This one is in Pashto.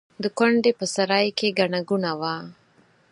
د کونډې په سرای کې ګڼه ګوڼه وه.